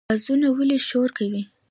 قازونه ولې شور کوي؟